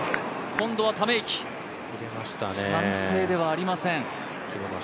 今度はため息、歓声ではありません１３